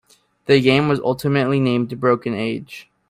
The game was ultimately named "Broken Age".